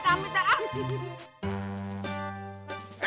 eh bentar bentar